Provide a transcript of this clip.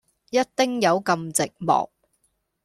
一丁友咁寂寞